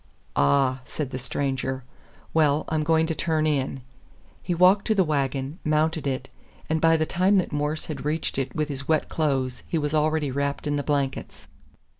"Ah," said the stranger. "Well, I'm going to turn in." He walked to the wagon, mounted it, and by the time that Morse had reached it with his wet clothes he was already wrapped in the blankets.